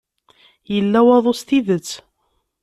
Yella waḍu s tidet.